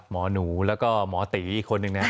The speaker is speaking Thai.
หมอหนูแล้วก็หมอตีอีกคนนึงนะครับ